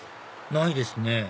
ないですね